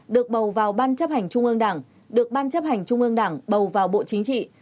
được bầu vào ban chấp hành trung ương đảng được ban chấp hành trung ương đảng bầu vào bộ chính trị